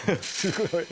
すごい！